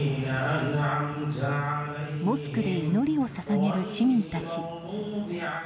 モスクで祈りを捧げる市民たち。